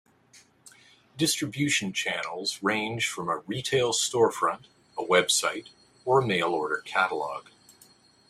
Distribution channels range from a retail storefront, a website, or a mail-order catalogue.